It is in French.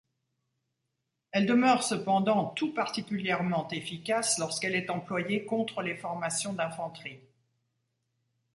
Elle demeure cependant tout particulièrement efficace lorsqu'elle est employée contre les formations d'infanterie.